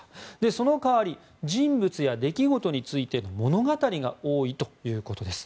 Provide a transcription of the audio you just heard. その代わり人物や出来事についての物語が多いということです。